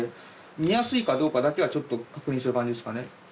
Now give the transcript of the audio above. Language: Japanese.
見やすいかどうかだけはちょっと確認する感じですかね。